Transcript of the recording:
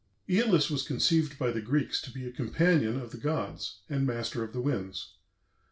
" Æolus was conceived by the Greeks to be a companion of the gods and master of the winds.